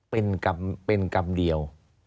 เป็นกรรมเดียว